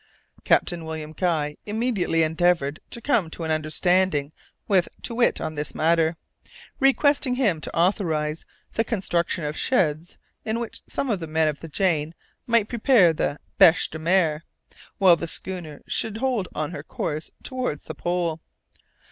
Captain William Guy immediately endeavoured to come to an understanding with Too Wit on this matter, requesting him to authorize the construction of sheds in which some of the men of the Jane might prepare the bêche de mer, while the schooner should hold on her course towards the Pole.